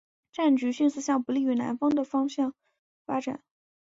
战局迅速向不利于南方的方向发展。